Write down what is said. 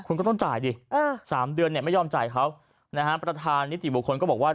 คุณก็ต้องจ่ายดิ๓เดือนเนี่ยไม่ยอมจ่ายเขานะฮะประธานนิติบุคคลก็บอกว่า